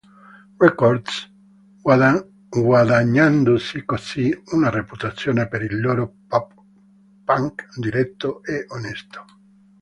Records, guadagnandosi così una reputazione per il loro "pop punk diretto e onesto".